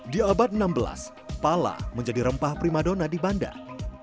di abad enam belas pala menjadi rempah primadona di bandar